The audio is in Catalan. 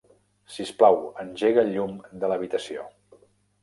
Sisplau, engega el llum de l'habitació.